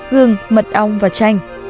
gừng mật ong và chanh